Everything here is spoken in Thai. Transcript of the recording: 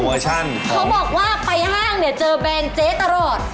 เขาบอกว่าไปห้างเนี่ยเจอแบรนด์เจ๊ตลอด